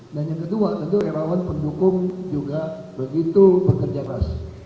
dan yang kedua tentu erawan pendukung juga begitu bekerja keras